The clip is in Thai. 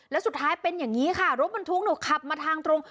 แล้วสุดท้ายเป็นอย่างนี้ค่ะรถบรรทุกหนูขับมาทางตรง